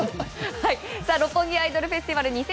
六本木アイドルフェスティバル２０２２